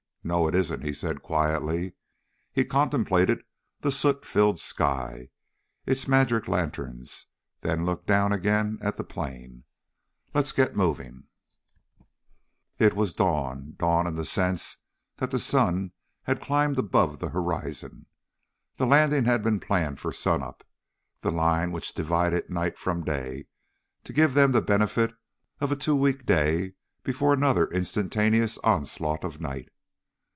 "No, it isn't," he said quietly. He contemplated the soot filled sky, its magic lanterns, then looked down again at the plain. "Let's get moving." It was dawn dawn in the sense that the sun had climbed above the horizon. The landing had been planned for sunup the line which divided night from day to give them the benefit of a two week day before another instantaneous onslaught of night.